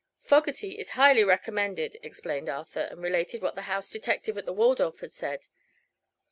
"Fogerty is highly recommended," explained Arthur, and related what the house detective of the Waldorf had said.